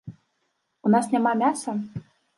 У нас няма мяса?